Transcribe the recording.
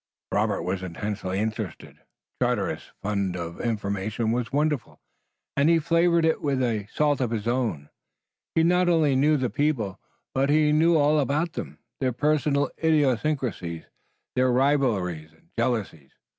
Robert was intensely interested. Charteris' fund of information was wonderful, and he flavored it with a salt of his own. He not only knew the people, but he knew all about them, their personal idiosyncrasies, their rivalries and jealousies.